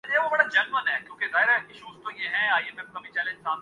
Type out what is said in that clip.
پریٹنگ systems کی سہولیات سے فائدہ اٹھائیں